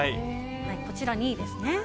こちら、２位ですね。